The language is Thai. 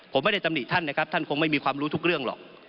ผมไม่ได้ตำหนิท่านนะครับท่านคงไม่มีความรู้ทุกเรื่องหรอก